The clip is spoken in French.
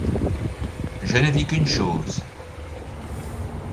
Je ne vis qu’une chose.